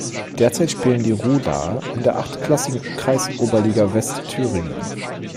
Derzeit spielen die Ruhlaer in der achtklassigen Kreisoberliga Westthüringen.